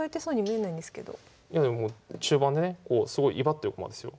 いやでも中盤でねすごい威張ってる駒ですよ。